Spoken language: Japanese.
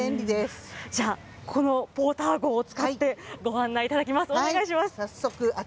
じゃあ、このポーター号を使って、ご案内いただきます。